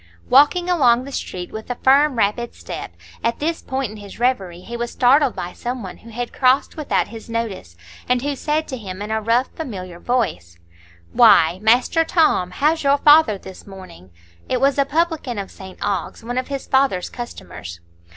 Walking along the street with a firm, rapid step, at this point in his reverie he was startled by some one who had crossed without his notice, and who said to him in a rough, familiar voice: "Why, Master Tom, how's your father this morning?" It was a publican of St Ogg's, one of his father's customers.